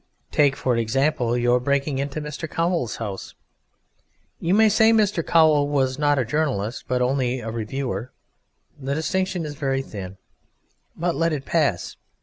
Take, for example, your breaking into Mr. Cowl's house. You may say Mr. Cowl was not a journalist, but only a reviewer; the distinction is very thin, but let it pass.